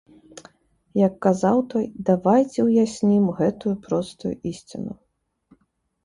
Як казаў той, давайце ўяснім гэтую простую ісціну.